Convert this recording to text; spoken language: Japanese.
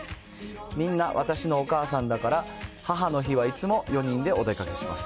みんな私のお母さんだから、母の日はいつも４人でお出かけします。